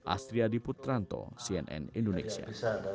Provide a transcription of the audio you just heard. astri adiputranto cnn indonesia